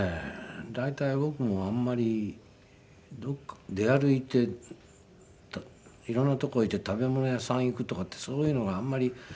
大体僕もあんまり出歩いて色んな所行って食べ物屋さん行くとかってそういうのがあんまり。